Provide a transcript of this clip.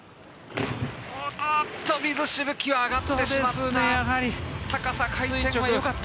水しぶきが上がってしまった。